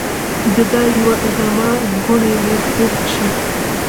د دا يوه ادامه کوڼۍ مې خوږ شي